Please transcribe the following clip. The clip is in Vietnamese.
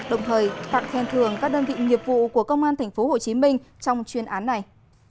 đồng thời tặng khen thường các đơn vị nghiệp vụ của công an tp hcm trong chuyên án này